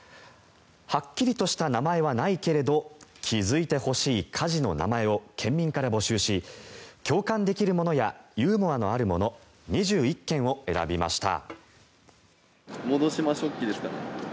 はっきりとした名前はないけれど気付いてほしい家事の名前を県民から募集し共感できるものやユーモアのあるもの２１件を選びました。